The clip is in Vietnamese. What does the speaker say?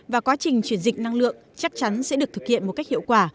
và quá trình chuyển dịch năng lượng chắc chắn sẽ được thực hiện một cách hiệu quả